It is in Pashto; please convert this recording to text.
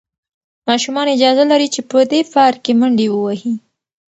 ماشومان اجازه لري چې په دې پارک کې منډې ووهي.